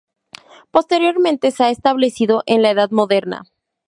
Posteriormente, se ha restablecido en la Edad Moderna.